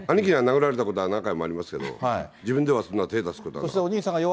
兄貴から殴られたことは何回もありますけど、自分ではそんな手を出すことはない。